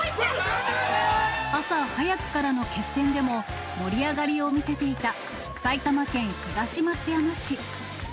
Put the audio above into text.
朝早くからの決戦でも、盛り上がりを見せていた埼玉県東松山市。